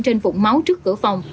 trên vụn máu trước cửa phòng